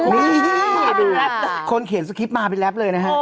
นี่คุณเขียนสกิฟต์มาแล้ว